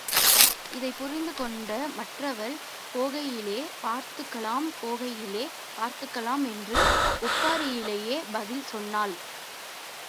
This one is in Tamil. இதைப் புரிந்துகொண்ட மற்றவள், போகையிலே பார்த்துக்கலாம் போகையிலே பார்த்துக்கலாம் என்று ஒப்பாரியிலேயே பதில் சொன்னாள்.